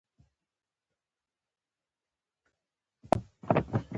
هغې غوښتل چې خلک ووهي.